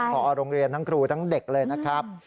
พอโรงเรียนทั้งครูทั้งเด็กเลยนะครับ